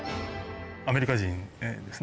アメリカ人ですね。